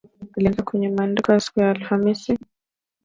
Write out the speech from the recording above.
aliandika kwenye mtandao siku ya Alhamisi